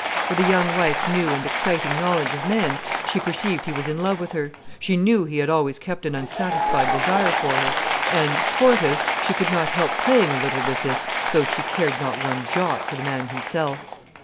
With a young wife's new and exciting knowledge of men, she perceived he was in love with her, she knew he had always kept an unsatisfied desire for her. And, sportive, she could not help playing a little with this, though she cared not one jot for the man himself.